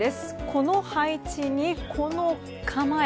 この配置に、この構え。